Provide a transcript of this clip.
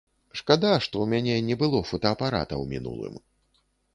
Шкада, што ў мяне не было фотаапарата ў мінулым.